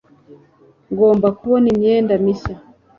ngomba kubona imyenda mishya